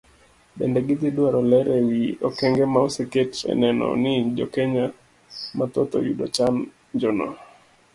Bende gidhi dwaro ler ewi okenge ma oseket eneno ni jokenya mathoth oyudo chanjono.